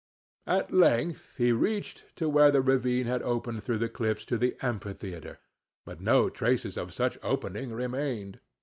At length he reached to where the ravine had opened through the cliffs to the amphitheatre; but no traces of such opening remained.